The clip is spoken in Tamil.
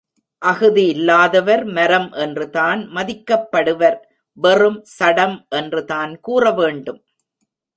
அஃது இல்லாதவர் மரம் என்றுதான் மதிக்கப்படுவர் வெறும் சடம் என்றுதான் கூறவேண்டும்.